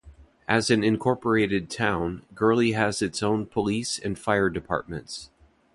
As an incorporated town, Gurley has its own police and fire departments.